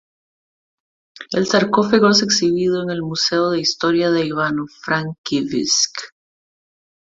El sarcófago es exhibido en el Museo de historia de Ivano-Frankivsk.